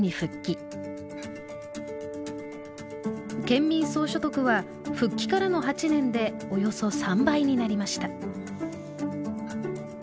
県民総所得は復帰からの８年でおよそ３倍になりました。